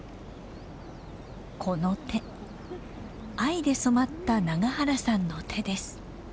この手藍で染まった永原さんの手です。